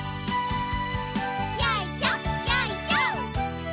よいしょよいしょ。